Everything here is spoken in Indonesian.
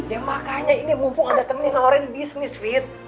ya makanya ini mumpung anda temen yang ngawarin bisnis fit